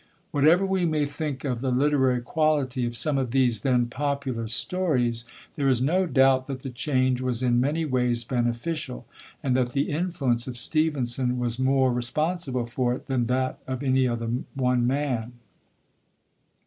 Whatever we may think of the literary quality of some of these then popular stories, there is no doubt that the change was in many ways beneficial, and that the influence of Stevenson was more responsible for it than that of any other one man.